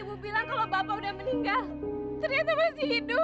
bibi jangan nangis terus kayak gini bibi